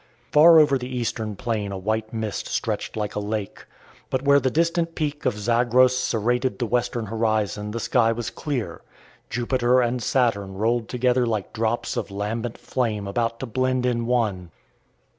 Far over the eastern plain a white mist stretched like a lake. But where the distant peak of Zagros serrated the western horizon the sky was clear. Jupiter and Saturn rolled together like drops of lambent flame about to blend in one.